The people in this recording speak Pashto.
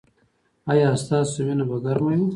ایا ستاسو مینه به ګرمه وي؟